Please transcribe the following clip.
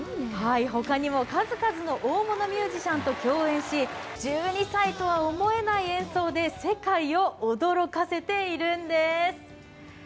他にも数々の大物ミュージシャンと共演し１２歳とは思えない演奏で世界を驚かせているんです。